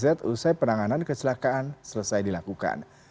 usai penanganan kecelakaan selesai dilakukan